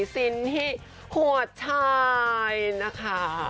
ซินที่หัวชายนะคะ